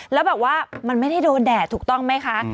แล้วแบบว่ามันไม่ได้โดนแดดถูกต้องไหมคะ